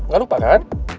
gak lupa kan